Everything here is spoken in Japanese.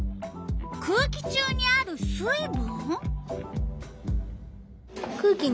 「空気中にある水分」？